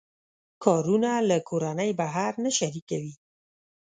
کارونه له کورنۍ بهر نه شریکوي.